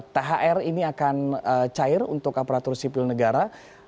thr ini akan cair untuk aparatur sipil negara